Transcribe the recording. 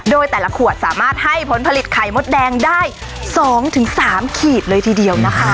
โดยแต่ละขวดสามารถให้ผลผลิตไข่มดแดงได้๒๓ขีดเลยทีเดียวนะคะ